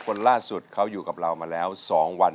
คนล่าสุดเขาอยู่กับเรามาแล้ว๒วัน